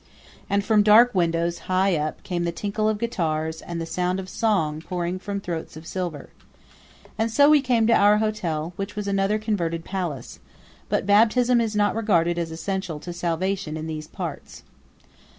And from dark windows high up came the tinkle of guitars and the sound of song pouring from throats of silver. And so we came to our hotel, which was another converted palace; but baptism is not regarded as essential to salvation in these parts.